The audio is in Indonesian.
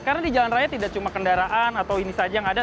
karena di jalan raya tidak cuma kendaraan atau ini saja yang ada